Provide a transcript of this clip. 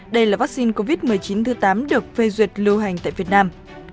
đây là vaccine covid một mươi chín thứ tám được phê duyệt lưu hành tại việt nam